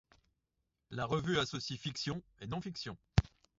La revue associe fiction et non-fiction.